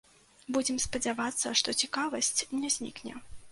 Будзем спадзявацца, што цікавасць не знікне.